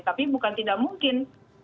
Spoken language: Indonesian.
tapi bukan tidak mungkin